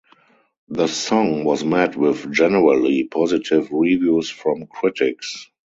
The song was met with generally positive reviews from critics.